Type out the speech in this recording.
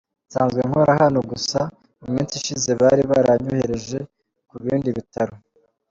Nsanzwe nkora hano, gusa mu minsi ishize bari baranyohereje ku bindi bitaro.